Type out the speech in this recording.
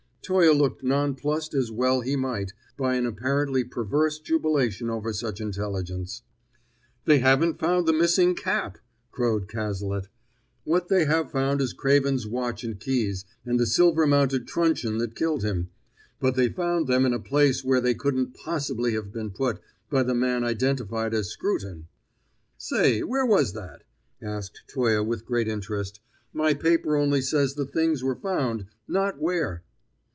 Toye looked nonplused, as well he might, by an apparently perverse jubilation over such intelligence. "They haven't found the missing cap!" crowed Cazalet. "What they have found is Craven's watch and keys, and the silver mounted truncheon that killed him. But they found them in a place where they couldn't possibly have been put by the man identified as Scruton!" "Say, where was that?" asked Toye with great interest. "My paper only says the things were found, not where."